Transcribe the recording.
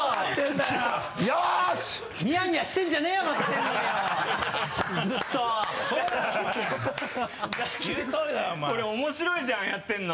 だってこれ面白いじゃんやってるの。